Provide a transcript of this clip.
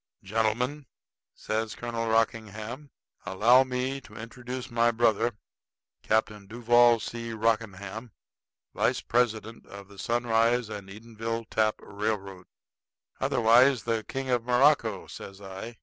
"Gentlemen," says Colonel Rockingham, "allow me to introduce my brother, Captain Duval C. Rockingham, vice president of the Sunrise & Edenville Tap Railroad." "Otherwise the King of Morocco," says I.